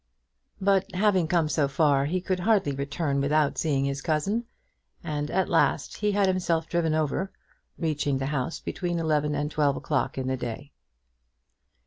But having come so far, he could hardly return without seeing his cousin, and at last he had himself driven over, reaching the house between eleven and twelve o'clock in the day.